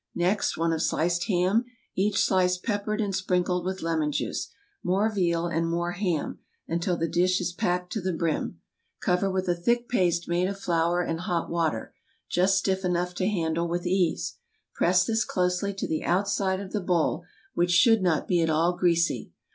Next, one of sliced ham, each slice peppered and sprinkled with lemon juice, more veal and more ham, until the dish is packed to the brim. Cover with a thick paste made of flour and hot water, just stiff enough to handle with ease. Press this closely to the outside of the bowl, which should not be at all greasy.